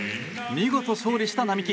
見事勝利した並木。